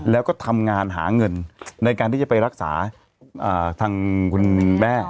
แล้วก็ทำงานหาเงินในการที่จะไปรักษาทางคุณแม่